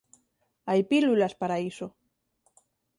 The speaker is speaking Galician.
Hai pílulas para iso.